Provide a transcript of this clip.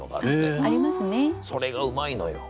それがうまいのよ。